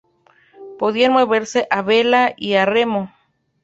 Podía moverse a vela y a remo.